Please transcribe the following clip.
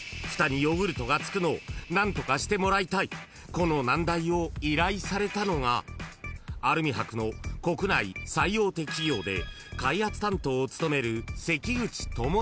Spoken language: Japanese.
［この難題を依頼されたのがアルミ箔の国内最大手企業で開発担当を務める］